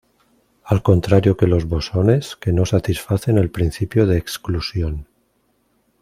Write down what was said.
Al contrario que los bosones, que no satisfacen el principio de exclusión.